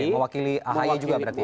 oke mewakili ahy juga berarti ya